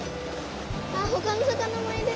あほかの魚もいる！